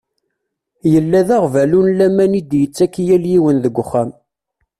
Yella d aɣbalu n laman i d-yettak i yal yiwen deg uxxam.